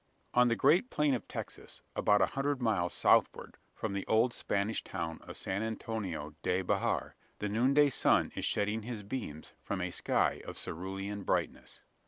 On the great plain of Texas, about a hundred miles southward from the old Spanish town of San Antonio de Bejar, the noonday sun is shedding his beams from a sky of cerulean brightness.